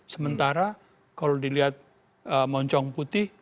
sementara kalau dilihat moncong putih